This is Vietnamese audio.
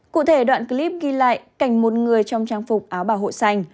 cụ thể đoạn clip ghi lại cảnh một người trong trang phục áo bảo hộ sành